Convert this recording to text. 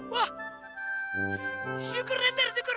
wah syukur ya ter syukur